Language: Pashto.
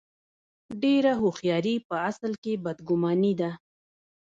ډېره هوښیاري په اصل کې بد ګماني ده.